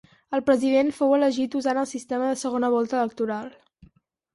El President fou elegit usant el sistema de segona volta electoral.